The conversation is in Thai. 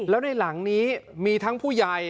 แล้วในหลังนี้มีทั้งผู้ใหญ่